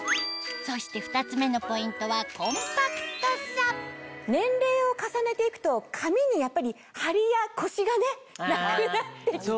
そして２つ目のポイントは年齢を重ねていくと髪にやっぱりハリやコシがなくなってきて。